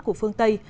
của phương tây